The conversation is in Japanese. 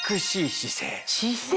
姿勢？